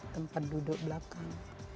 tempat duduk belakang